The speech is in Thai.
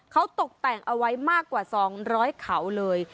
เขาตกแต่งเอาไว้มากกว่า๒๐๐เขาเลย